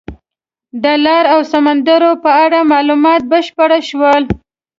د لارو او سمندرونو په اړه معلومات بشپړ شول.